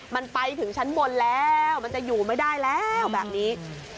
มันไปถึงชั้นบนแล้วมันจะอยู่ไม่ได้แล้วแบบนี้